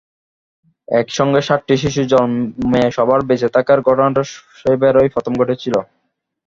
একসঙ্গে সাতটি শিশু জন্মে সবার বেঁচে থাকার ঘটনাটা সেবারই প্রথম ঘটেছিল।